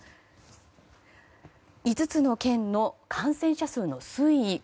５つの県の感染者数の推移